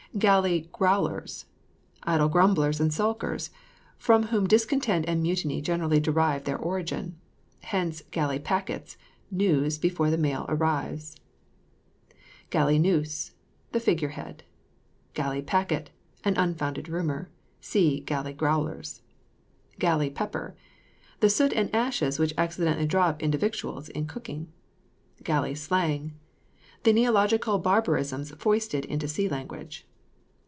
GALLEY GROWLERS. Idle grumblers and skulkers, from whom discontent and mutiny generally derive their origin. Hence, "galley packets," news before the mail arrives. GALLEY NOSE. The figure head. GALLEY PACKET. An unfounded rumour. (See GALLEY GROWLERS.) GALLEY PEPPER. The soot or ashes which accidentally drop into victuals in cooking. GALLEY SLANG. The neological barbarisms foisted into sea language.